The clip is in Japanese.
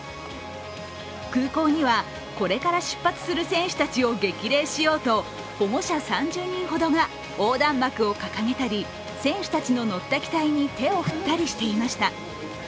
空港にはこれから出発する選手たちを激励しようと保護者３０人ほどが横断幕を掲げたり、選手たちの乗った機体に手を振ったりしていました。